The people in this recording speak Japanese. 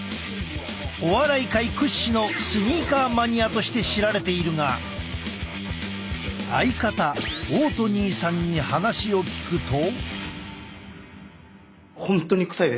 お笑い界屈指のスニーカーマニアとして知られているが相方大トニーさんに話を聞くと。